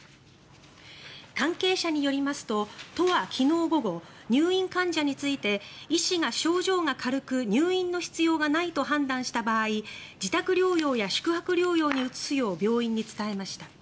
関係者によりますと都は昨日午後入院患者について医師が症状が軽く入院の必要がないと判断した場合自宅療養や宿泊療養に移すよう病院に伝えました。